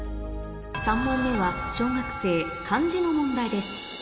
３問目は小学生漢字の問題です